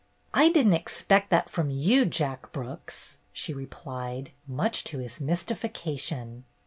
"I didn't expect that from you. Jack Brooks," she replied, much to his mystification.